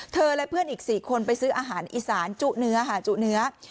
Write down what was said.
และเพื่อนอีก๔คนไปซื้ออาหารอีสานจุเนื้อหาจุเนื้อ